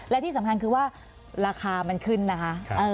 และที่สำคัญคือว่าราคามันขึ้นนะคะ